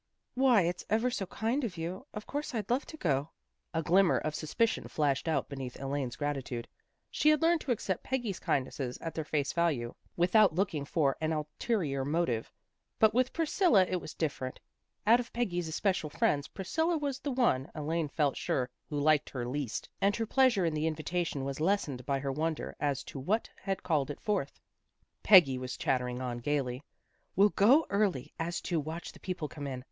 " Why, it's ever so kind of you. Of course I'd love to go." A glimmer of suspicion flashed out beneath Elaine's gratitude. She had learned to accept Peggy's kindnesses at their face value, without looking for an ulterior motive. But with Priscilla it was different. Out of Peggy's especial friends Priscilla was the one, Elaine felt sure, who liked her least, and her pleasure in the invitation was lessened by her wonder as to what had called it forth. 238 THE GIRLS OF FRIENDLY TERRACE Peggy was chattering on gaily. " We'll go early, so as to watch the people come in.